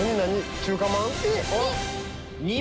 中華まん？